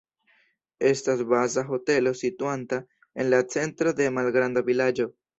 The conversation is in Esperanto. Estas baza hotelo situanta en la centro de malgranda vilaĝo.